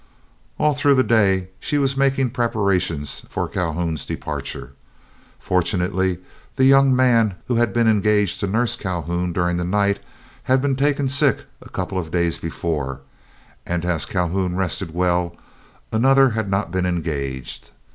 All through the day she was making preparations for Calhoun's departure. Fortunately the young man who had been engaged to nurse Calhoun during the night had been taken sick a couple of days before, and as Calhoun rested well, another had not been engaged.